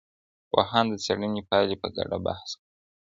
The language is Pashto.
پوهان د څېړنې پایلې په ګډه بحث کوي.